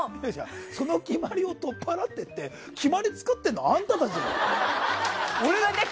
その決まりを取っ払ってって決まりを作ってるのはあんたたちじゃん！